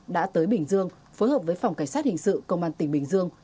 đã tới bình dương phối hợp với phòng cảnh sát hình sự công an tỉnh bình dương